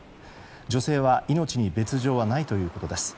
女性は命に別条はないということです。